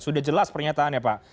sudah jelas pernyataannya pak